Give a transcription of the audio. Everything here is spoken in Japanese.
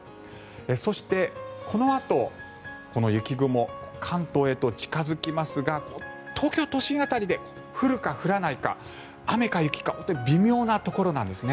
そして、このあとこの雪雲、関東へと近付きますが東京都心辺りで降るか降らないか雨か雪か本当に微妙なところなんですね。